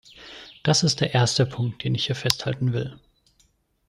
Das ist der erste Punkt, den ich hier festhalten will.